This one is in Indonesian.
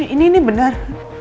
ini ini benar